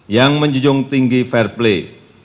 yang menjunjung tinggi fair play